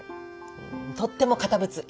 とっても堅物。